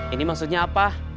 ini maksudnya apa